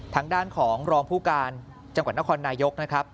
ทางด้านของรองผู้การจังหวัดนครนายกนะครับ